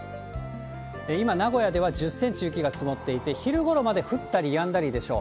今、名古屋では１０センチ雪が積もっていて、昼ごろまで降ったりやんだりでしょう。